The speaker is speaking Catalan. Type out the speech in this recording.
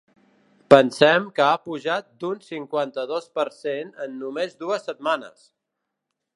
Pensem que ha pujat d’un cinquanta-dos per cent en només dues setmanes!